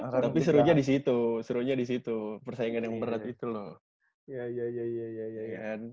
tapi serunya di situ serunya di situ persaingan yang berat itu loh